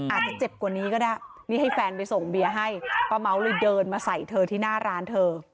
อาจจะเจ็บกว่านี้ก็ได้นี่ให้แฟนไปส่งเบียร์ให้ป้าเม้าเลยเดินมาใส่เธอที่หน้าร้านเธอ